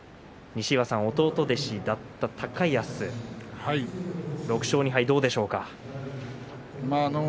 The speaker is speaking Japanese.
西岩さん、弟弟子だった高安６勝２敗、どうでしょうか。